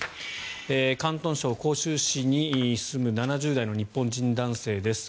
広東省広州市に住む７０代の日本人男性です。